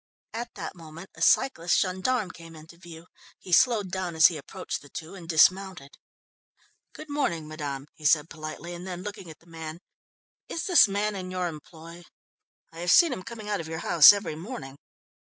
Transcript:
At that moment a cyclist gendarme came into view. He slowed down as he approached the two and dismounted. "Good morning, madame," he said politely, and then looking at the man, "is this man in your employ? I have seen him coming out of your house every morning?"